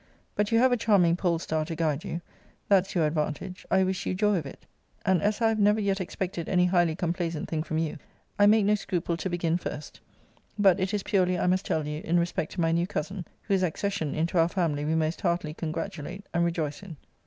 But you have a charming pole star to guide you; that's your advantage. I wish you joy of it: and as I have never yet expected any highly complaisant thing from you, I make no scruple to begin first; but it is purely, I must tell you, in respect to my new cousin; whose accession into our family we most heartily congratulate and rejoice in.